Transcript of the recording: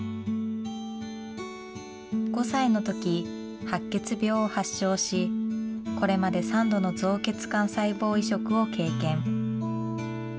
５歳のとき、白血病を発症し、これまで３度の造血幹細胞移植を経験。